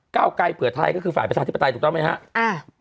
เก้าไกลเผื่อไทยก็คือฝ่ายประชาธิปไตยถูกต้องไหมครับ